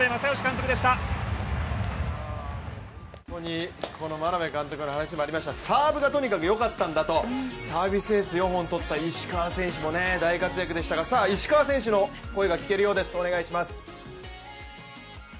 本当に眞鍋監督の話にもありましたがサーブがとにかく良かったんだとサービスエース４本取った石川選手も大活躍でしたが石川選手の声が聞けるようです。